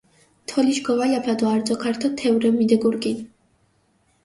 თოლიშ გოვალაფა დო არძოქ ართო თეჸურე მიდეგურგინჷ.